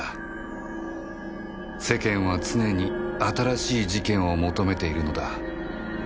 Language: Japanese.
世間は常に新しい事件を求めているのだ